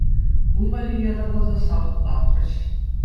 Кун валли ятарласа савӑт лартӗҫ.